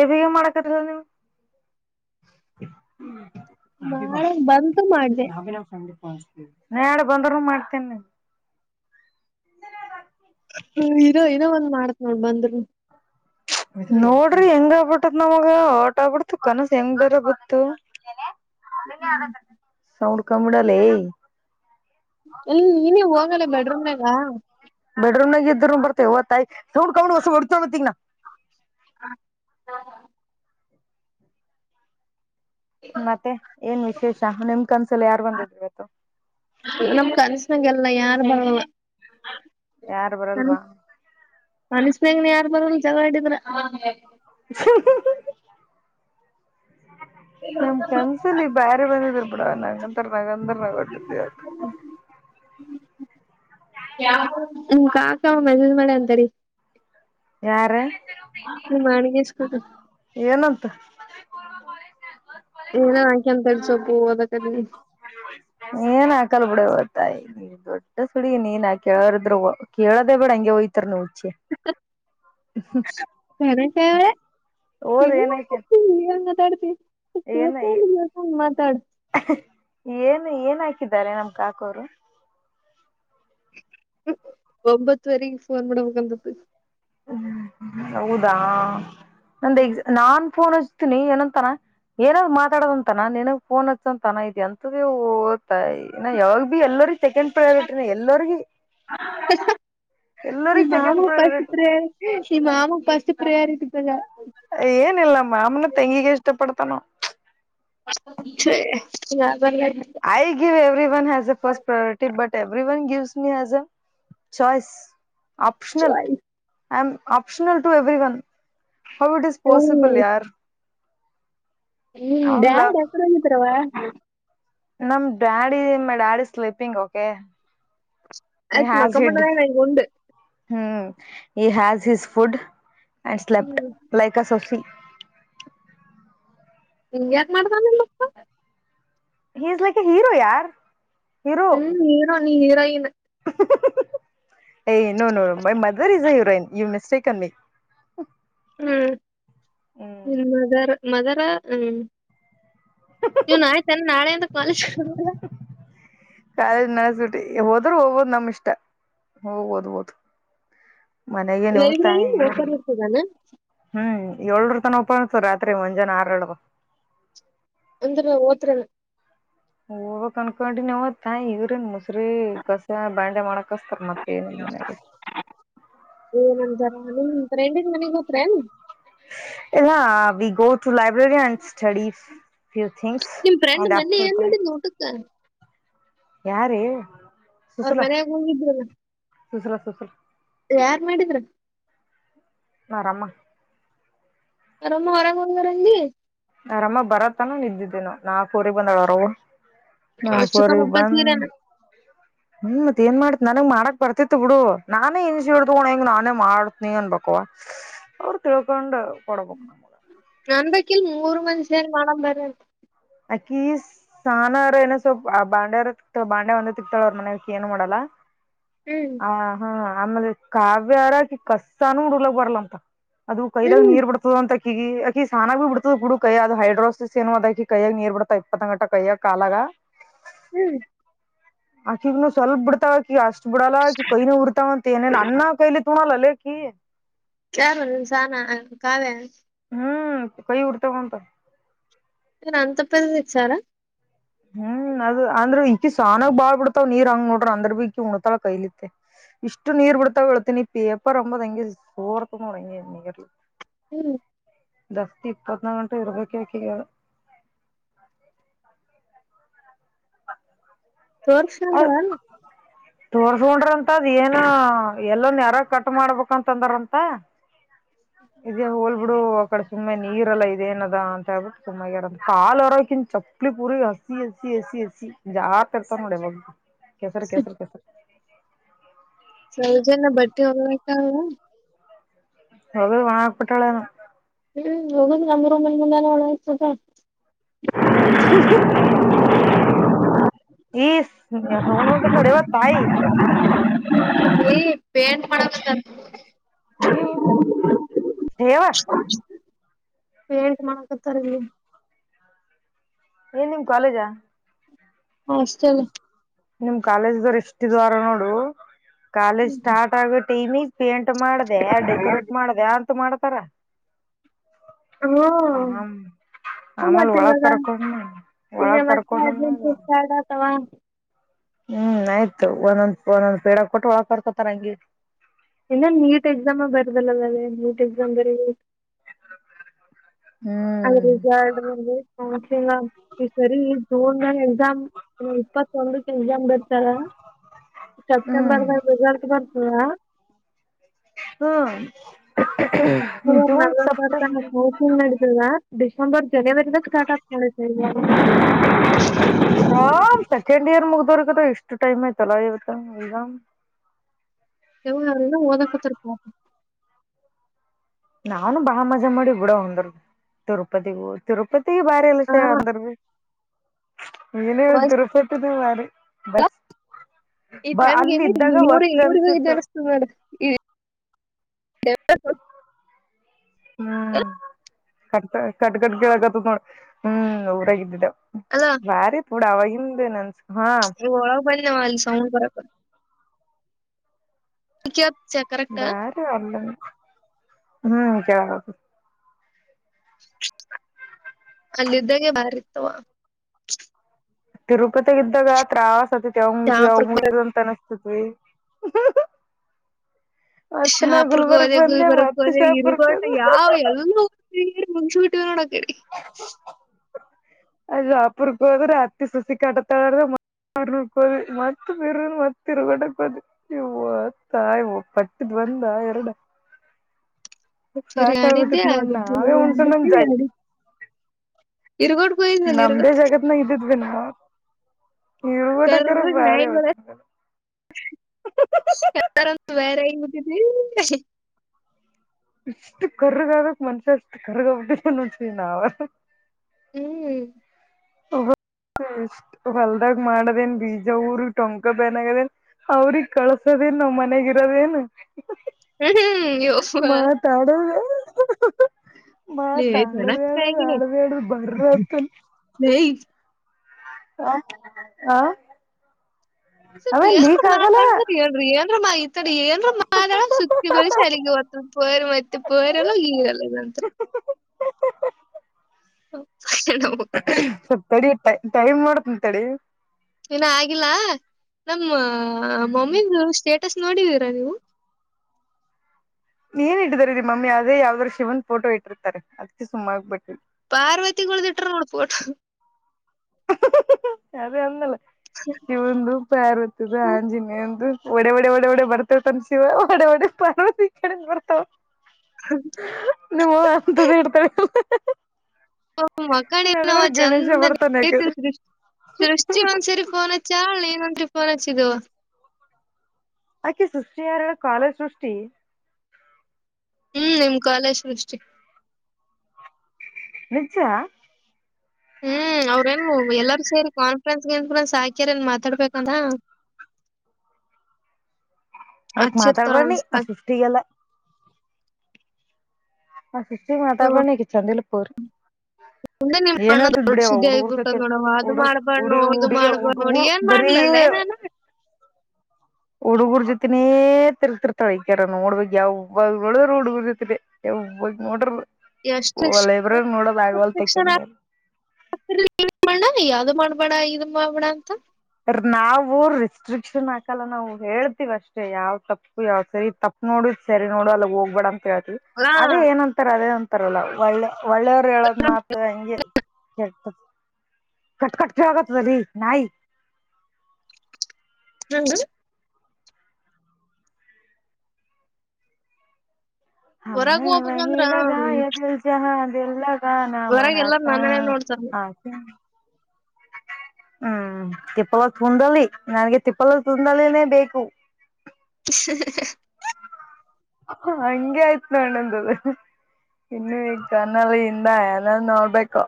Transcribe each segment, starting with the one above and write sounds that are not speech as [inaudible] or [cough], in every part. A ಬೇಗ ಮಾಡಕಲ್ಲ ನೀವು ಹಿ ಮಾಡಕ್ ಬಂತು ಮಾಡ್ದೆ ಭಬಿ ನವು ಸ ಪಹಚತ [unintelligible] ನಾಡಿದ್ದು ಬಂದರುೂ ಮಾಡ್ತೇನ್ ಹ ಇರೋ ಏನೋ ಒಂದ್ ಮಾಡ್ತೀನಿ ನೋಡು ಬಂದರು ನೋಡ್ರಿ ಹೆಂಗ ಆಗ್ಬಿಟ್ಟತ್ ನಮಗ ಟ ಆಗ್ಬಿಡ್ತು ಕನಸ ಹೆಂಗ್ ಬರ ಗತ್ತು ಅದನ್ನೇ ಅದ ಸೌಂಡ ಕಮ್ಮಿ ಇಡಲೇ ಎಲ್ಲಿ ನೀನೇ ಹೋಗಲ್ಲ ಬೆಡ್ರೂಮ್ ನಾಗ ಬೆಡ್ರೂಮ್ ನಾಗ ಇದರು ಬರ್ತತೆಓತ್ತಾಯ ಸೌಂಡ್ ಕಮ್ಮ್ ಇಡು ಹೊಸ ಹೊಡ್ತನ್ ನೋಡ್ ಈಗ ಹ ಹ [unintelligible] ಮತ್ತೆ ಏನ್ ವಿಶೇಷ ನಿಮ್ ಕನ್ಸಲ್ಲ ಯಾರು ಬಂದಿದ್ರು ಇವತ್ತು ನಂಗೆಲ್ಲ ಯಾರು ಬರಲ್ಲ ಯಾರು ಬರಲ್ವಾ ಕನಸಲ್ಲಿ ಯಾರು ಬರಲ್ಲ ಜಗಳ ಆಡಿದರೆ [unintelligible] ನಮ ಕನ್ಸಲಿ ಬೇಾರೆ ಬಂದಿದ್ರ ಬಿಡವ ನಂಗಂತರ ನಗಂದ್ರ ನಗು ಬರ್ತಿತೆ ಇವತ್ತು ಹ್ಮ ಕಾಕಾ ಮೆಸೇಜ್ ಮಾಡ್ಯಾನ ತಡಿ ಯಾರು ನಿ ಮಾಡಿಗೆ ಇಸ್ಕ್ ದ ಪೂರ್ವ ಬ [unintelligible] ಏನೋ ಅಕ್ಯನ ತಗ ಸೋಪು ಓದಕತೀನಿ ಏನ್ ಹಾಕಲ್ ಬಿಡವತ್ತಾಯ ದೊಡ್ಡ ಸುಳ ನೀನ್ ಕೇಳಾರಿದ್ರು ಕೇಳದೇ ಬಿೇಡ ಹಂಗೆ ಹೋಯ್ತಾರ ನೀವ್ ಸರೆ ಸರೆ ಓದ್ [unintelligible] ಹ ಏನೈತೆ ಪಕ್ಕೆ ಕೆಲಿ ಸಾನ [unintelligible] ಏನ್ ಮಾತಾಡ್ತಿ ಏನ್ ಏನ್ ಹಾಕಿದ್ದಾರೆ ನಮ್ ಕಾಕೋರು ಒಂಬತ್ತು ವರೆ ಫೋನ್ ಮಾಡಬೇಕಂದಿದ್ದು ಹ್ಮ ಹೌದಾ ನಂದು ಎಕ್ಸ್ ನಾನ್ ಫೋನು ಏನಂತಾನ ಏನಾಗ್ ಮಾತಾಡೋಂತಾನ ನನ ಫೋನ್ ಹಚ್ಚಂತಾನ ಇ ಅಂತ ಯಾವಾಗ ಎಲ್ಲರಿಗೆ ಸೆಕೆಂಡ್ ಪ್ರಯಾರಿಟಿಿನ ಎಲ್ಲಗ ಎಲ್ಲರಿ ಸೆಕೆಂಡ್ ಪ್ರಯಾರಿಟಿ ಈ ಮಾಾಮ ಬಸ್ತಿ ಏನಿಲ್ಲ ಮಾಮನ ತೆಂಗಿಗೆ ಇಷ್ಟ ಪಡ್ತಾನೋ [inaudible] ಆಯ give every one has a first priority but every one give use me as a choice optional I'm optional to every one how it is possible ಯಾರ್ ಐ ಹ್ಮ್ ಆಮ್ ಡ್ಯಾಡ ಎಡ ಒಂದ ತರವಾ ನಮ ಡ್ಯಾಡಿ ಡ್ಯಾಡಿ ಸ್ಲಿಪಿಂಗ್ ಓಕೆ ಆಯತ್ ಮಕ್ಕಮ್ ಬಿಟ್ಟಾನ ಉಂಡು he has his food and slept hmm like a ಸೊಫಿ ಹಂಗ ಯಾಕ ಮಾಡ್ತಾನ ನಿಮ್ಮಪ್ಪ he is like a hero ಯಾರ ಹ್ಮ್ ನೀ ನೀ ಹೀರ ಇ ಏಯ no no my mother is a heroine you mistake on me hmm hmm ನಿಮ್ ಮದರ ಮದರ ಹ್ಮ್ ನೀವ್ ನ ಆಯ್ತಂದ ನಾಳೆ ಅಂತ [unintelligible] ಕಾಲೇಜ್ ನಡೆಸ್ಬಿಟ್ಟಿ ಹೋದ್ರೂ ಹೋಗ್ಬೋದು ನಮ್ ಇಷ್ಟ ಹೋಗೋದು ಮನೆಗೆನ್ ಹತಾ ಲೈಬ್ರರಿ ಓಪನ್ ಇರ್ತದಾನ ಹ್ಮ್ ಏಳರು ತನ ಪ್ಪನ್ಸು ರಾತ್ರಿ ಮುಂಜಾನೆ ಆರಳಗೆ ಅಂದ ಓತ್ರಣ ಹೋಗಕ್ ಅನ್ಕೊಂಡಿವ ಹಗ್ರನ್ ಮುಸ ಸ್ತ್ರೀ ಕಸ ಬ್ಯಾಂಡೆ ಮಾಡಳಕ್ಕೆ ಕಸ್ತ ಮತ್ತನರೆ ಕಾಳು ಪೆಂಡಿಂಗ್ ಮನೆಗೂ ಫ್ರೆಂಡ್ ಇಲ್ಲಾ be go to library and study few things ನಿಮ್ ಫ್ರೆಂಡ್ ಅಂಡ್ ಮೊನ್ನೆ ಆಫ್ಟರ್ ಏನ್ ದಟ್ ಮಾಡಿದ್ ಊಟಕ್ಕ ಯಾರೇ ಅವ್ರ ಮನೆಯಾಗ್ ಹೋಗಿದ್ರಲ್ಲ ದೂಸರ ಸಫರ್ ಯಾರ್ ಮಾಡಿದ್ರ ಮರಾಮ ಆರಾಮ ಆರಾಮ ಹರಗರಗೆ ನರಮ್ಮ ಬರತ್ತಾನ ನಿದ್ದಿದ್ದೇನು ನಾ ಕೂರಿ ಬಂದಳ ಅರವ್ವ ಅಷ್ಟೊತ್ತ ನಾಕುವರೆಗ್ ಒಬ್ಬ ಬಂದ ಸೀರೆನ ಹ್ಮ ತೆಮ್ ಮಾಡ್ತಿ ನನಗ್ ಮಾಡಕ್ ಬರ್ತಿತ್ತು ಬಿಡು ನಾನೇ ಇನ್ಷ ಹಡತಕೊಂಡ ಹೆಂಗ್ ನಾನೇ ಮಾಡತನಿ ಅನ್ಬೇಕವಾ ಅವ್ರು ತಿಳ್ಕೊಂಡ ಕೊಡಬೇಕಮ್ಮಗ ಕಿಲ್ ಮೂರು ಮನುಷ್ಯಂಗ್ ಮಾಡಣ ಬರ್ರೀ ಆಕಿ ಸಾನರ ಏನ ಸ್ವಲ್ಪ್ ಆ ಬಾಂಡ್ಯ ಬಾಂಡೆ ಒಂದ ತಿಕ್ತಾಳ ಅವ್ರ ಮನಕ್ ಏನು ಮಾಡಲ್ಲ ಹ್ಮ್ ಹ ಹಾ ಆಮೇಲೆ ಕಾವ್ಯಾರಕಿ ಕಸ್ಸಾನೂಲಕ್ ಬರ್ಲಂತ ಅದು ಕೈದಾಗ ಹ್ಮ್ ನೀರ್ ಬಿಡ್ತದ ಅಂತ ಈಗ ಆಕಿ ಸಾನಾಗ ಬಿಡ್ತದ ಬಿುಡು ಕೈಯ ಅದು ಹೈಡ್ರಾಕ್ಸಿಸ್ ಏನು ಅದಕಿ ಕೈಯಾಗ ನೀರ್ ಬಿಡ್ತ ಇಪ್ಪತ್ತ ಗಂಟ ಕೈಯ್ಯಾಗ ಕಾಲಾಗ ಹ್ಮ್ ಆಕಿಗನು ಸ್ವಲ್ಪ ಬಿಡ್ತಾವಕಿ ಅಷ್ಟ ಬಿಡಲ್ಲ ಕೈನ ಉರ್ತಾವ ಅಂತ ಏನನ್ ಅನ್ನ ಕೈಲಿ ತೋಲ್ಲೇ ಕಿ ಯಾರು ಸಾನ ಕಾವ್ಯ ಹ್ಮ್ ಕೈ ಉಡ್ತ ಬಂತ ನನ್ ತಪ್ಪೇಲ್ಲಿಸಾರ ಹ್ಮ್ ಅದ ಅಂದ್ರೆ ಇಕಿ ಸಾನಾಗ ಬಾಳ್ ಬಿಡ್ತಾವ್ ನೀರ್ ಹಂಗ ನೋಡ್ರ ಅಂದ್ರ ಭೀ ಇಕಿ ಉಣತಾಳ ಕೈಲಿತ್ತ ಇಷ್ಟು ನೀರ್ ಬಿಡ್ತಾವ್ ಹೇಳ್ತಿನನಿ ಪೇಪರ್ ಅಂಬದ ಹಂಗಗೆ ಸೋರ್ತ ನೋಡ್ರಂಗಗೆ ನೀರ್ ಹ್ಮ್ ದಸ್ತಿ ಇಪ್ಪತ್ನಾಲ್ ಗಂಟೆ ಇರ್ವಕ್ಕೆ ವಕ್ಕಿಕಳ ಸೋರ್ಷಂತನು ತೋರ್ ಹೋಂಡ್ರ ಹತ್ತದ ಏನ ಎಲ್ಲೋ ನ್ಯಾರ ಕಟ್ ಮಾಡ್ಬೇಕಂತ ಅಂದ್ರಂತ ಇದೇ ಹೋಲ್ ಬಿಡು ಆ ಕಡೆ ಸುಮ್ಮನೆ ನೀರ್ಲ್ಲ ಇದೇಏನದ ಅಂತ ಹೇಳ್ಬಿಟ್ಟು ಸುಮ್ಮಾರ ಕಾಲು ಇರಕಿನ್ ಚಪ್ಪಲಿ ಪೂರಿ ಹಸಿ ಹಸಿ ಹಸಿ ಹಸಿ ಜಾಸ್ ಇರ್ ಇರ್ತಾವ ನೋಡಿ ಇವಾಗ ಕೆಸರ ಕೆಸರ ಕೆಸರ್ ಸೌಜನ ಬಟ್ಟಿ ಹೋಯ್ತಾಳ ಅವರು ಒಣ ಆಗಪಟ್ಟಳನೊ ಹ್ಮ ಹ ನರುಂಬ ಮುಂದಾನ ಒಳ ಈ ಊಗಂಟತ್ ನೋಡಿ ಇವ ತಾಯಿ ಏ ಪೇಂಟ್ ಮಾಡಂತ ನೀವು ಯವ್ವ [unintelligible] ಪೇಂಟ್ ಮಾಡಕತಾರಲ್ಲಿ ಏನ್ ನಿಮ್ ಕಾಲೇಜಾ ಹಾಸ್ಟಲ್ ನಿಮ್ ಕಾಲೇಜ ದವರು ಎಷ್ಟಿದ್ವಾರ ನೋಡು ಕಾಲೇಜ್ ಸ್ಟಾರ್ಟ್ ಆಗುತ್ತೆ ತೇಮ ಪೇಂಟ್ ಮಾಡಿದೆ ಡೆಕೋರೇಟ್ ಮಾಡಿದೆ ಅಂತ ಮಾಡ ಪರ ಹ್ಮ ಹ ಆಮೇಲ್ ಮಾಡ್ತ ಒಳಗ್ ಇವಾಗ ಕರ್ಕೊಂಡ್ ಈ ಒಳಗ್ ಕರ್ಕೊಂಡ್ ಮತವಾ ಹ್ಮ್ ಆಯ್ತು ಒಂದೊಂದ್ ಒಂದೊಂದ್ ಪೇಡ ಕೊಟ್ಟು ಹೊಳಡ್ತತಾರ ಹಂಗಗೆ ಇನ್ನ ನೀಟ್ ಎಕ್ಸಾಮ ಬರ್ದಲ್ಲದಲ್ಲಿ ನೀಟ್ ಎಕ್ಸಾಮ ಬರಿ ಹ್ಮ್ ಈ ಸರಿ ಜೋ ಎಸಾಮ್ ಇಪ್ಪತ್ತೊಂದಕ್ಕೆ ಎಕ್ಸಾಮ್ ಬಿರ್ತಾರ ಹ್ಮ್ ಸೆಪ್ಟೆಂಬರ್ಾಗ ರಿಸಲ್ಟ್ ಬ ಹಾ ಹ್ಮ ಅಕ್ಟೋಬರ್ ನವೆಂಬರ್ ತನ ಮೌಫಿಂಗ್ ಮಾಡಿದಲ್ವ ಒಂದ ಜನವರಿದಾಗ ಸ್ಟಾರ್ಟ್ ಆಗ್ ಮಾಡತ ಆಾಮ್ ಸೆಕೆಂಡ್ ಇಯರ್ ಮುಗ್ದೋರ್ಗದ ಇಷ್ಟು ಟೈಮ್ ಆಯ್ತಲ್ಲ ಇವತ್ತು ಎಕ್ಸಾಮ್ ಓದಕತರ್ಕ ನಾನು ಬಹಳ ಮಜಾ ಮಾಡಿ ಬಿೂಡ ಒಂದರು ತಿರುಪತಿಗೂ ತಿರುಪತಿ ಬಾರಿ ಎಲ್ಲಷ ಅಂದ್ರ ಭ ನೀನೇ ಫಸ್ಟ್ ತಿರುಪಟ್ಟ ಫ್ರವಾರಿ ಈ ್ಯಾಮ್ಗೆ ಅಲ್ಲಿ ಏನ ಮೂ ಇದ್ದಾಗ ವಸ್ಟ್ ಮೂಗೋಗ ಅನ್ಸಿತ್ತು ಅನಿಸ್ತ ಮಡ ಇ ಹ್ಮ್ ಕಟ್ಟ ಕಟ್ಟಗಟ್ಟ ಕೇಳಕತ್ತ ನೋಡ ಹ್ಮ್ ಊರಾಗಿದ್ದಿದ್ದ ವಾರಿ ಪುಡಾವ ನಿಮ್ದೆ ನನ್ಸ ಇ ವಳ ಬ ನ ಮಾಡಲ್ಲಿ ಸೌಂಡ ಬರಕ ಕ್ಕೆ ಬಾರ ಅ ಹ್ಮ್ ಕಾಗದು [unintelligible] ಅಲ್ಲಿದ್ದಾಗೆ ಬಾರಿ ಇತ್ತವಾ ತಿರುಪತಿಗ ಇದ್ದಾಗ ತ್ರಾ [unintelligible] ಅತಿ ಶಾಪುರ್ಕ್ ಬರ ಅಂತ [unintelligible] ಪ್ಪ [unintelligible] ಶಾಪುರ್ಕ್ಕ ಹೋದೆ ಗುಲ್ಬರಗ ಮತ್ತ ಹೋದೆ ಶಾಪುರ್ಕ್ ಇರುಗೋಟ ಹೋದೆ ಯಾವ ಎಲ್ಲ ತಿ ಮುಂಚು ಡಕಡಿ [unintelligible] ಅದ ಅಪುರ್ಕ್ಕೆ ಹೋದ್ರೆ ಅತ್ತಿ ಸಸಿ ಕಾಟತಳ ಹೋದ್ವಿ ಮತ್ ಬಿರ್ ಮತ್ತ ಇರ್ಗಟ ಹೋದ್ವಿ ಇ ಅತ್ತ ಇ ಪಟ್ಟಿದ್ ಬಂದ ಎರಡ [unintelligible] ತಿರ್ಗಾಡಿದ್ದೆ ಸಾಖಬಟ್ಟತ್ ನೋಡಿ ಅದು ನ ನಾವೇ ಉಂಡಮ ಮಾಡಿದ್ದೆ ಜಾಗ ಇರುಗೋಟ್ ಹೋಗಿದ್ನಲ್ಲ ನಮ್ದೇ ಇರುಗೋಟ್ ಜಗತ್ನ ಇದ್ದಿದ್ವಿ ಇರುಗೋಟ ಕರೆ ಕರ್ರಗ್ ಬೇರೆ ನಾಯಿಗಳ ಯವತ್ತುಲ್ಲ [unintelligible] [inaudible] ಇಷ್ಟು ಕರ್ಗ ಆಗಕ್ ಮನ್ಷ್ಯ ಅಷ್ಟು ಕರ್ಗ ಆಬಟ್ಟಂಸ ನಾವ ಹ್ಮ್ ಎಷ್ಟ ಹೊಲ್ದಾಗ್ ಮಾಡದೇನ್ ಬೀಜ ಊರ್ ಟೊಂಕ ಬನ್ಗದೇನ್ ಅವ್ರಿಗ್ ಕಳ್ಸದೇನ್ ನಾವ್ ಮನಗ ಇರದೇಏನ್ ಹ್ಮ್ ಹ್ಮ್ ಯೋ [inaudible] ಮತ್ ಆಡ್ದ ಆಡ್ದ್ ಜನಕ್ಕಾಗಿನೇ ಆಡ್ದ ಆಡ್ದ್ ಬರ್ರತ್ನ್ ಲೇ ಹ ಹಾ [unintelligible] ರಿಯಲ್ ರಿಯಲ್ ಮಾಹಿತಿ ಏನ್ ಮಾತಾಡ ಸುತ್ತಿ ಬೆಳಸಿ ಅಲ್ಲಿರಿಗೆ ಹೊತ್ತ ಪೇರ್ ಮತ್ತೆ ಪರ್ಲ್ಲೀರಲ್ಲ ನಂತ್ರ [unintelligible] ತಡಿ ಟೈಮ್ [unintelligible] ಮಾಡತಂತಳ ಏನ ಆಗಿಲ್ಲ ನಮ್ಮ ಹ ಮಮ್ಮಿರು ಸ್ಟೇಟ್ ಅಸ್ ನೋಡಿದೀರಾ ನೀವು ಏನ್ ಇಟ್ಟಾರೀ ಮಮ್ಮಿ ಅವದೇ ಯಾವ್ದ್ರು ಶಿವನ್ ಫೋಟೋ ಇಟ್ಟಿರ್ತಾರೆ ಅದಕ್ಕೆ ಸುಮ್ ಆಗ್ಬಿಟ್ಟಿ ಪಾರ್ವತಿಗಳ್ದಿ ಇಟ್ರ ನೋಡ್ಪೊಟು [unintelligible] ಅದೇ ಅಂದಲ್ಲ ಇವಂದು ಪಾರ ಹೊತ್ತಿದ ಆಂಜನೇಯಂದು ಒಡೆ ಒಡಡೆ ಒಡೆೇ ಒಡೆ ಬರ್ತೇವ ತನ್ ಶಿವ ಒಡಡೆ ಒಡಡೆ ಪಾರ್ವತಿ ಕಡೆ ಬರ್ತಾವ ನಿಮ್ಮ ಅಂತ್ದ ಇಡ್ತಾರೆ [unintelligible] ಹ [unintelligible] ಮಕ್ಕನ ಏನ ಚಂದ ಬರ್ತಾನ ಯಾಕಡೆ ಸೃ ಸೃಷ್ಟಿ ಒಂದ್ಸರಿ ಪೋನ ಚಾಳ ಏನಂದ್ರೆ ಕನ್ಚ ತವಾ ಅಕೆ ಸೃಷ್ಟಿ ಯಾರ ಕಾಲ ಸೃಷ್ಟಿ ಹ್ಮ್ ನಿಮ್ ಕಾಲೇಜ್ ಸೃಷ್ಟಿ ನಿಜ್ಜ ಫ್ರಂಡ್ಸ್ ಏನ್ ್ರಸ್ ಹಾಕ್ಯಾರ ಏನ್ ಮಾತಾಡ್ಬೇಕಂದ ಅವಕ್ ಮಾತಾಡ್ಬಾರಿ ಆ ಸೃಷ್ಟಿಗೆಲ್ಲ ಹ ಸತಿ ಮಾಾ ಬನೆಗೆ ಚಂದ ಅವರಿ ಮುಂದೆ ನಿಮ್ಣ್ಣ ದೊಡ್ ಸುದ್ದಿ ಆಗ್ಬಿಟ್ಟ ಜೊತೆ ನೋಡವ ಅದು ಹುಡು ಮಾಡ್ಬಾರ್ಣ ಹುಡುಗಿ ಅದು ಹುಡುಗ ಮಾಡ್ಬಾರ ನೋಡಿ ಹುಡುಗರು ಏನ್ ಬರೀ ಮಾಡ್ಲಲ್ಲೇ ನಾನ ಹುಡುಗುರ್ ಜೊತಿನೇ ತಿರ್ತಿರ್ತಾವಕ್ಯಾರ ನೋಡ್ಬ ಯಾವಾಗಳ ಹುಡುಗುರ್ ಜೊತಿರಿ ಯಾವಾಗ್ ನೋಡ್ರರು ಎಷ್ಟು ಓ ಲೈಬ್ರ ನೋಡೋದಾಗವಾಲ್ ತೆಕ್ಕೊಂಡ ಮಾಡ್ಣ ಯಾವ್ದು ಮಾಡ್ಬೇಡ ಇದ ಮಾಡೇಡ ಅಂತ ನಾವು ರೆಿಸ್ಟ್ರಿಕ್ಷನ್ ಹಾಕಲ್ಲ ನಾವು ಹೇಳ್ತೀವ ಅಷ್ಟೇ ಯಾವ್ ತಪ್ಪು ಯಾವ್ ಸರಿ ತಪ್ಪು ನೋಡ್ ಸರಿ ನೋಡು ಅಲ್ ಹೋಗ್ಬೇಡಂತ ತಿ ಅಲಾ ಅದೇ ಏನಂತಾರೆ ಅದೇ ತರಲ್ಲ ಒಳ್ಳ ಒಳ್ಳೆಯವರು ಹೇಳದ್ ಮಾತ್ರ ಹೆಂಗೆಳ್ ಕಟಕಟ್ ಕಿಳಾಗ ಅರಿ ನ ಹ್ಮ ಹ್ಮ ಹೇ ಹೊರಗ್ ವಹ ಹೋಗ್ಬೇಕಂದ್ರ ಬ ಗಾಯತಲ್ ಜಹನ್ ಎಲ್ಲ ಹೊರಗ್ ಎಲ್ಲಾರ ನಾಮಾನಥ ನನ್ನನೆ ನೋಡ್ತಾರ ಹಾ ಹ್ಮ್ ತಿಪ್ಪಲ ತುಂದಲಿ ನನ್ಗೆ ತಿಪ್ಪಲ ತುಂದಲಿನೇ ಬೇಕು ಹ ಹಗೆ ಆಯ್ತ್ು ನೋಣಂದು ಇನ್ನು ಈ ಕನ್ನಲ್ಲಿ ಇಿಂದ ಏನ ನೋಡ್ಬೇಕು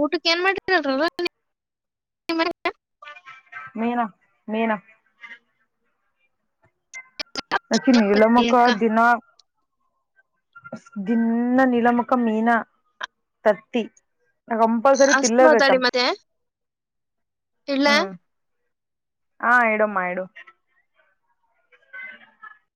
ಊಟಕ್ಕೆ ಏನ್ ಮಾಡರಲ್ ಮೀನಾ ಮೀನಾ ಆಕಿ ನೀಲಮ್ಮಕ್ಕ ಅಕ್ಕ ದಿನ ದಿನ್ನ ನೀಲಮಕ್ಕಮೀನಾ ತತ್ತಿ ನಾನು ಕಂಪಲ್ಸರಿ ಅಷ್ಟ್ ತಿನ್ನಲೆ ಬೇಕು ಅಂತಾ ಇಡಲಿ ಹಾ ಇಡ್ಡಮ್ಮ ಇಡು